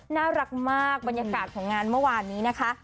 น่ารักมากบรรยากาศของงานเมื่อวานนี้นะคะ